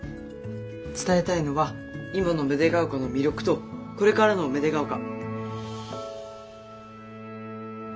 伝えたいのは今の芽出ヶ丘の魅力とこれからの芽出ヶ丘。